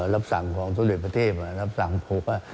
รับสั่งของทุเรศประเทศรับสั่งโพธิ์